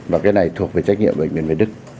và cái này thuộc về trách nhiệm của bệnh viện việt đức